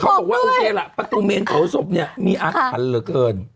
บอกว่าโอเคล่ะประตูเมนเผาศพเนี่ยมีอาถรรพ์เหลือเกิน